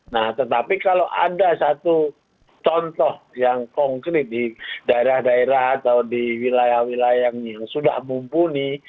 nah tetapi kalau ada satu contoh yang konkret di daerah daerah atau di wilayah wilayah yang sudah mumpuni